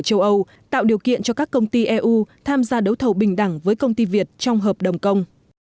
châu âu tạo điều kiện cho các công ty eu tham gia đấu thầu bình đẳng với công ty việt trong hợp đồng công